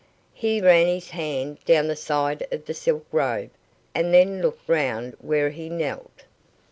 He ran his hand down the side of the silk robe, and then looked round where he knelt.